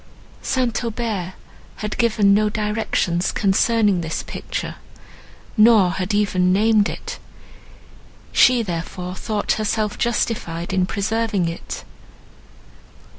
St. Aubert had given no directions concerning this picture, nor had even named it; she, therefore, thought herself justified in preserving it.